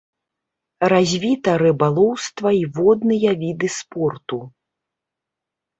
Развіта рыбалоўства і водныя віды спорту.